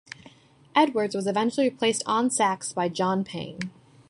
Edwards was eventually replaced on sax by John Payne.